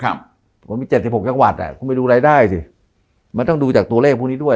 มันมีเจ็ดสิบหกจังหวัดอ่ะคุณไปดูรายได้สิมันต้องดูจากตัวเลขพวกนี้ด้วย